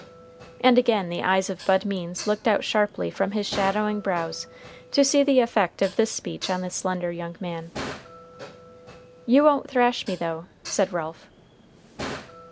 And again the eyes of Bud Means looked out sharply from his shadowing brows to see the effect of this speech on the slender young man. "You won't thrash me, though," said Ralph.